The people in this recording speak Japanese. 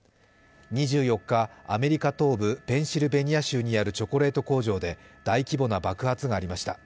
２４日、アメリカ東部ペンシルベニア州にあるチョコレート工場で大規模な爆発がありました。